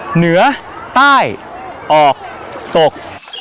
เหนือใต้ออกตก